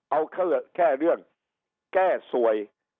เอาแค่เรื่องแก้สวย